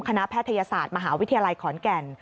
แพทยศาสตร์มหาวิทยาลัยขอนแก่น